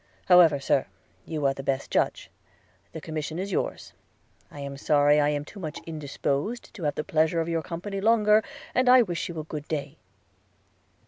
However, Sir, you are the best judge. The commission is yours – I am sorry I am too much indisposed to have the pleasure of your company longer, and I wish you a good day.'